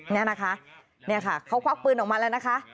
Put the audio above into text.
นี่นะคะนี่ค่ะเขาควักปืนออกมาแล้วนะคะ